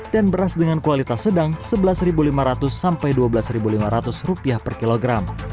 dan beras dengan kualitas sedang sebelas lima ratus sampai dua belas lima ratus rupiah per kilogram